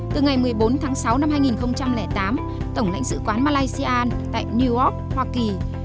từ ngày một mươi bốn tháng sáu năm hai nghìn tám tổng lãnh sự quán malaysia tại new york hoa kỳ